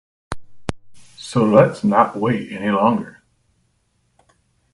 So let’s not wait any longer.